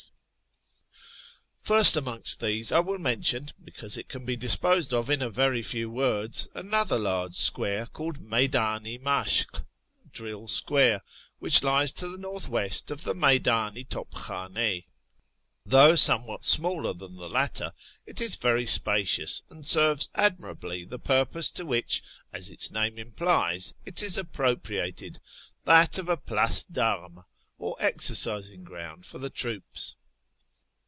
96 A YEAR AMONGST THE PERSIANS First anioiitrst these I will mention — because it can be disposed of in a very low words — another large square, called ^[ci/ddn i MasJik (" Drill Square "), which lies to the north west of the Mcydim i TojjkhcUid. Though somewhat smaller than the latter, it is very spacious, and serves admirably the purpose to which, as its name implies, it is appropriated — that of a place (Varmcs, or exercising ground for the troops.